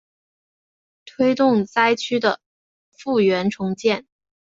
推动灾区的复原重建